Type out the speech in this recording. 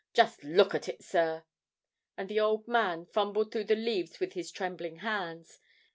Just look at it, sir!' And the old man fumbled through the leaves with his trembling hands.